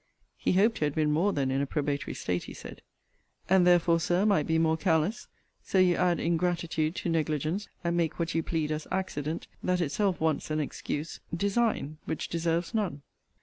He hoped he had been more than in a probatory state, he said. And therefore, Sir, might be more careless! So you add ingratitude to negligence, and make what you plead as accident, that itself wants an excuse, design, which deserves none.